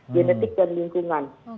genetik dan lingkungan